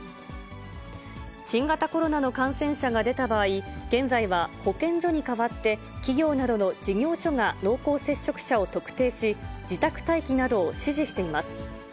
新型コロナの感染者が出た場合、現在は保健所に代わって、企業などの事業所が濃厚接触者を特定し、自宅待機などを指示しています。